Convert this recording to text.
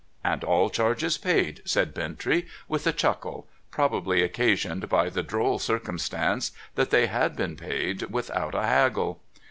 ' And all charges paid,' said Bintrey, with a chuckle : probably occasioned by the droll circumstance that they had been paid without a haggle.